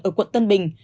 ở quận tân bình